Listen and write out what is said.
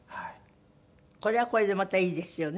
これはこれでまたいいですよね。